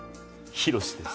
ヒロシです